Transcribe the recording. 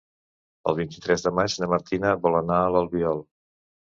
El vint-i-tres de maig na Martina vol anar a l'Albiol.